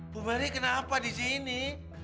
bu mari kenapa di sini